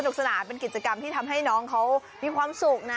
สนานเป็นกิจกรรมที่ทำให้น้องเขามีความสุขนะ